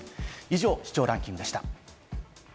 以上、視聴者ランキングでした。